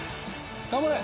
頑張れ！